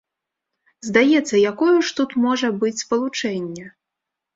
Здаецца, якое ж тут можа быць спалучэнне?